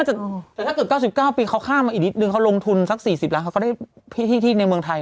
แต่ถ้าเกิด๙๙ปีเขาข้ามมาอีกนิดนึงเขาลงทุนสัก๔๐ล้านเขาก็ได้ที่ในเมืองไทย